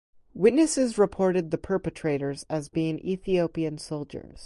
Witnesses reported the perpetrators as being Ethiopian soldiers.